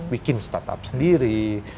bikin startup sendiri